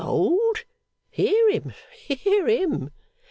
Old? Hear him, hear him!